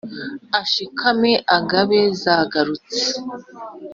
Ashikame agabe zagarutse !